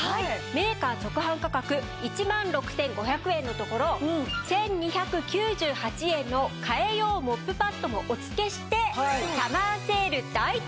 メーカー直販価格１万６５００円のところ１２９８円の替え用モップパッドもお付けしてサマーセール大特価！